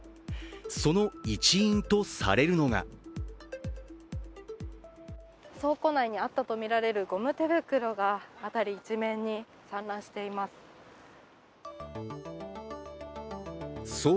その一因とされるのが倉庫内にあったとみられるゴム手袋が辺り一面に散乱しています。